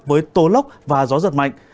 với tố lốc và gió giật mạnh